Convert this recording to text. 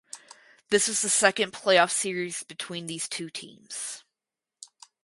This was the second playoff series between these two teams.